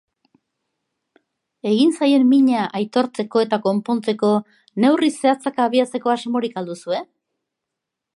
Egin zaien mina aitortzeko eta konpontzeko neurri zehatzak abiatzeko asmorik al duzue?